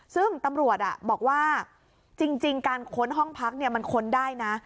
ซึ่งตำรวจบอกว่าจริงการค้นห้องพักมันค้นได้นะ